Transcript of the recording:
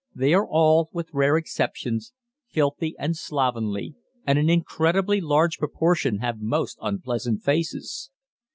They are all, with rare exceptions, filthy and slovenly, and an incredibly large proportion have most unpleasant faces.